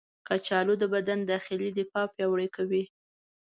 کچالو د بدن داخلي دفاع پیاوړې کوي.